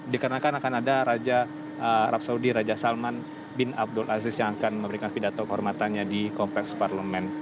dikarenakan akan ada raja arab saudi raja salman bin abdul aziz yang akan memberikan pidato kehormatannya di kompleks parlemen